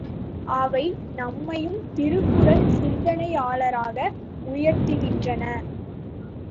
அவை நம்மையும் திருக்குறள் சிந்தனையாளராக உயர்த்துகின்றன.